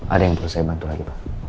ada yang perlu saya bantu lagi pak